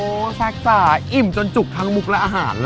แซคจ๋าอิ่มจนจุกทั้งมุกและอาหารเลย